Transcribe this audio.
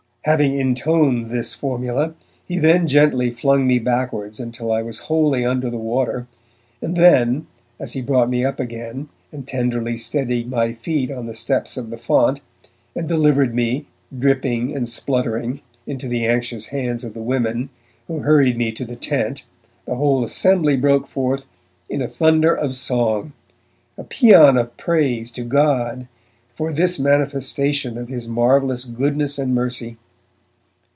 Having intoned this formula, he then gently flung me backwards until I was wholly under the water, and then as he brought me up again, and tenderly steadied my feet on the steps of the font, and delivered me, dripping and spluttering, into the anxious hands of the women, who hurried me to the tent the whole assembly broke forth in a thunder of song, a paean of praise to God for this manifestation of his marvellous goodness and mercy.